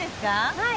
はい。